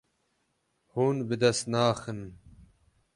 Hûn bi dest naxin.